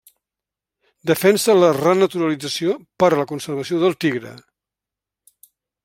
Defensa la renaturalització Per a la conservació del tigre.